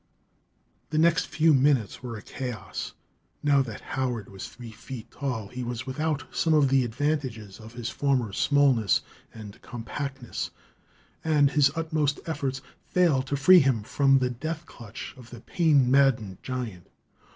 The next few minutes were a chaos. Now that Howard was three feet tall he was without some of the advantages of his former smallness and compactness, and his utmost efforts failed to free him from the death clutch of the pain maddened giant.